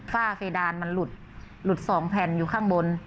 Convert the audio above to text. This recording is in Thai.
ฝ้าเพดานมันหลุดหลุด๒แผ่นอยู่ข้างบน